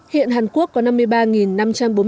hiện hàn quốc có năm mươi ba năm trăm một mươi bốn tài chính